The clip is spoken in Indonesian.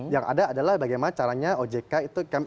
yang ada adalah bagaimana caranya ojk itu